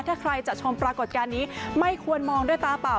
ถ้าใครจะชมปรากฏการณ์นี้ไม่ควรมองด้วยตาเปล่า